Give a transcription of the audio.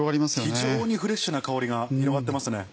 非常にフレッシュな香りが広がってますね。